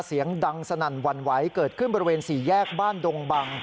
เสียงดังสนั่นหวั่นไหวเกิดขึ้นบริเวณสี่แยกบ้านดงบัง